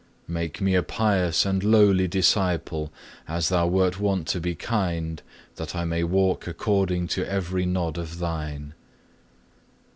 Make me a pious and lowly disciple, as Thou wert wont to be kind, that I may walk according to every nod of Thine.